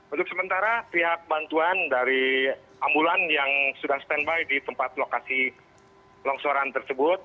untuk sementara pihak bantuan dari ambulan yang sudah standby di tempat lokasi longsoran tersebut